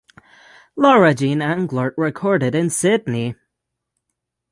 Laura Jean Englert recorded in Sydney.